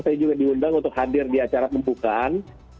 saya juga diundang untuk hadir di acara pembukaan